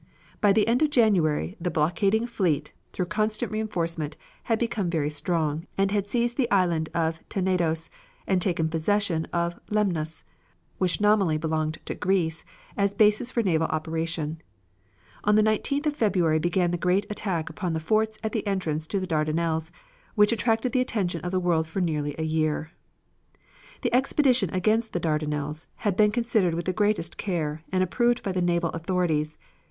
By the end of January the blockading fleet, through constant reinforcement, had become very strong, and had seized the Island of Tenedos and taken possession of Lemnos, which nominally belonged to Greece, as bases for naval operations. On the 19th of February began the great attack upon the forts at the entrance to the Dardanelles, which attracted the attention of the world for nearly a year. The expedition against the Dardanelles had been considered with the greatest care, and approved by the naval authorities.